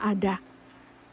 kau adalah yang paling baik